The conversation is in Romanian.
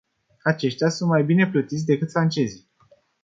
Aceștia sunt mai bine plătiți decât francezii.